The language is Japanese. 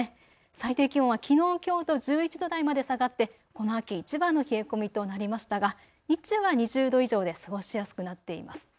最低気温はきのう、きょうと１１度台まで下がってこの秋いちばんの冷え込みとなりましたが日中は２０度以上で過ごしやすくなっています。